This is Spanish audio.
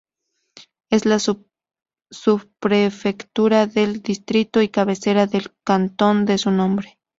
Es la subprefectura del distrito y cabecera del cantón de su nombre.